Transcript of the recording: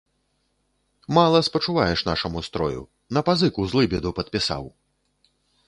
Мала спачуваеш нашаму строю, на пазыку злыбеду падпісаў.